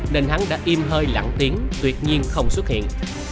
nên hắn đã im hơi lẳng tiếng tuyệt nhiên không xuất hiện